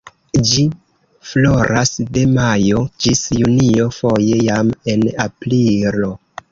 Ĝi floras de majo ĝis junio, foje jam en aprilo.